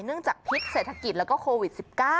เนื่องจากพิษเศรษฐกิจและก็โควิด๑๙